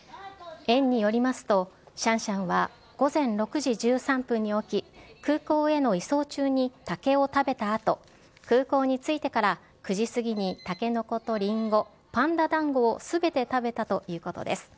園によりますと、シャンシャンは午前６時１３分に起き、空港への移送中に竹を食べたあと、空港に着いてから、９時過ぎにタケノコとリンゴ、パンダ団子をすべて食べたということです。